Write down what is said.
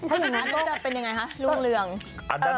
อันนี้จะเป็นยังไงฮะ